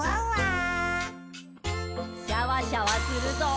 シャワシャワするぞ。